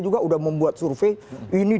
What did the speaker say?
juga sudah membuat survei ini